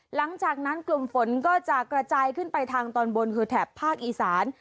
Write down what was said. หลังจากนั้นกลุ่มฝนก็จะกระจายขึ้นไปทางตอนบนคือแถบภาคอีสาน